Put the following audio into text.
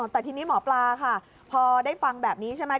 แต่ทีนี้หมอปลาค่ะพอได้ฟังแบบนี้ใช่ไหม